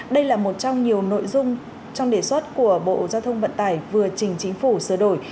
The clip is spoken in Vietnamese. đây là một trong nhiều nội dung trong đề xuất của bộ giao thông vận tải vừa trình chính phủ sửa đổi